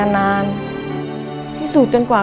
มันต้องการแล้วก็หายให้มัน